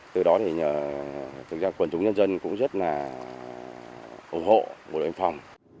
từ đó quần chúng nhân dân cũng rất ủng hộ bộ đội biên phòng